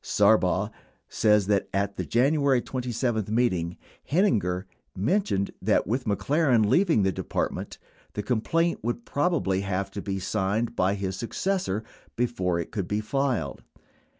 Sarbaugh says that, at the January 27 meet ing, Heininger mentioned that with McLaren leaving the Depart ment, the complaint would probably have to be signed by his successor before it could be filed.